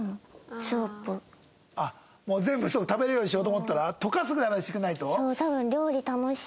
あっもう全部食べられるようにしようと思ったら溶かすぐらいまでしてくれないと？